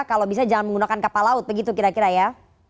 kalau bisa jangan menggunakan kapal laut begitu kira kira ya